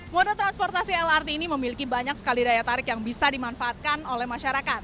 moda transportasi lrt ini memiliki banyak sekali daya tarik yang bisa dimanfaatkan oleh masyarakat